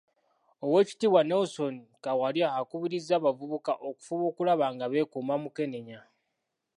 Oweekitiibwa Nelson Kawalya akubirizza abavubuka okufuba okulaba nga beekuuma mukenenya.